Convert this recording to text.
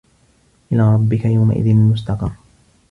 إِلى رَبِّكَ يَومَئِذٍ المُستَقَرُّ